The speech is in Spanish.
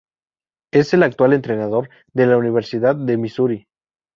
Es el actual entrenador de la Universidad de Missouri.